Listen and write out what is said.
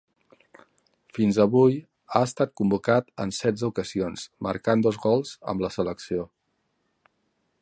Fins avui ha estat convocat en setze ocasions, marcant dos gols amb la selecció.